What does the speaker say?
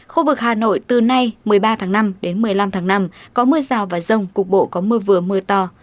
khu vực hà nội từ nay một mươi ba tháng năm đến một mươi năm tháng năm có mưa rào và rông cục bộ có mưa vừa mưa to